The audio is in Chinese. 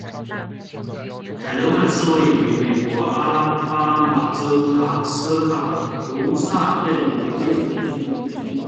凯勒曼是位于美国阿拉巴马州塔斯卡卢萨县的一个非建制地区。